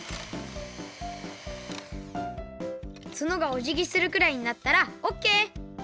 つのがおじぎするくらいになったらオッケー！